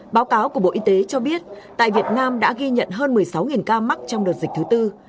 báo cáo của bộ y tế cho biết tại việt nam đã ghi nhận hơn một mươi sáu ca mắc trong đợt dịch thứ tư